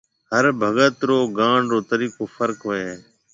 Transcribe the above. هر ڀگت رو گاڻ رو طريقو فرق هوئي هي